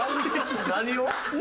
何を？